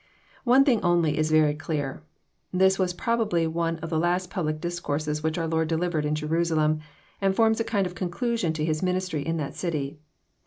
One thing only is very clear : this was probably one of the last public discourses which our Lord delivered in Jerusalem, and forms a kind of conclusion to His ministry in that city.